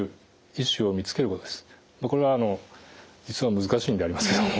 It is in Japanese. これは実は難しいんでありますけども。